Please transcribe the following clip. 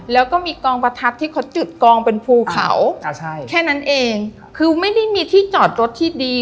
แล้วก็มีกองประทัดที่เขาจุดกองเป็นภูเขาอ่าใช่แค่นั้นเองคือไม่ได้มีที่จอดรถที่ดี